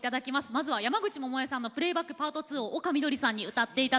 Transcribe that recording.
まずは山口百恵さんの「プレイバックｐａｒｔ２」を丘みどりさんに歌って頂きます。